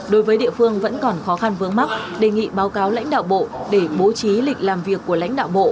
đối với địa phương vẫn còn khó khăn vướng mắt đề nghị báo cáo lãnh đạo bộ để bố trí lịch làm việc của lãnh đạo bộ